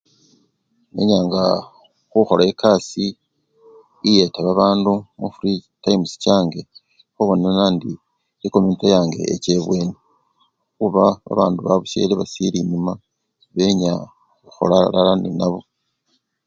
nenyanga huhola ekasii eyeta babandu mu free times change hubona nandi ecomunity yange echebweni huba babandu babushele basili enyuma benya huhola alala ninabo